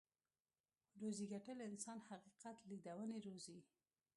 روزي ګټل انسان حقيقت ليدونی روزي.